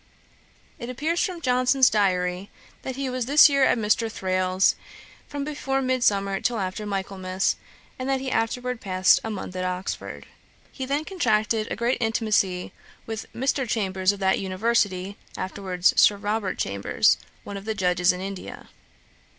It appears from Johnson's diary, that he was this year at Mr. Thrale's, from before Midsummer till after Michaelmas, and that he afterwards passed a month at Oxford. He had then contracted a great intimacy with Mr. Chambers of that University, afterwards Sir Robert Chambers, one of the Judges in India.